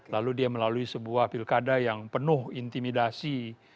lalu dia melalui sebuah pilkada yang penuh intimidasi